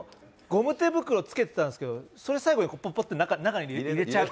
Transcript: ゴム手袋をつけてたんですけど、それ最後にぽっぽって中に入れちゃう。